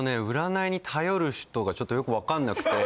占いに頼る人がちょっとよく分かんなくて。